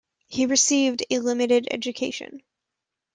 He received a limited education.